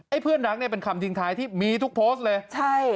เพื่อนรักเนี่ยเป็นคำทิ้งท้ายที่มีทุกโพสต์เลยใช่